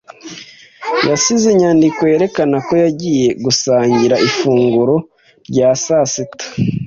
Yasize inyandiko yerekana ko yagiye gusangira ifunguro rya sasita.